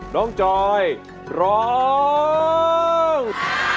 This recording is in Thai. น้องจอยร้อง